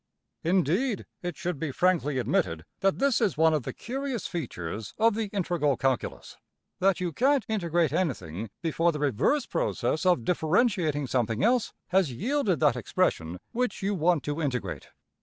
Indeed it should be frankly admitted that this is one of the curious features of the integral calculus: that you can't integrate anything before the reverse process of differentiating something else has yielded that expression which you want to integrate.